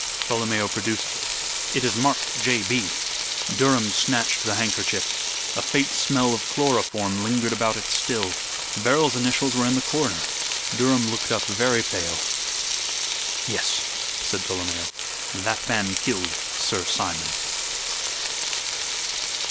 Tolomeo produced it. "It is marked 'J. B.'" Durham snatched the handkerchief. A faint smell of chloroform lingered about it still. Beryl's initials were in the corner. Durham looked up very pale. "Yes," said Tolomeo, "that man killed Sir Simon."